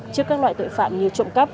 trước các loại tội phạm như trộm cắp